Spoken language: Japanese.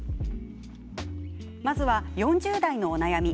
まずは、４０代のお悩み。